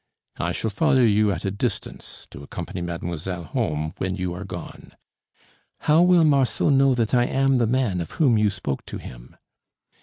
"I shall follow you at a distance, to accompany mademoiselle home when you are gone." "How will Marceau know that I am the man of whom you spoke to him?"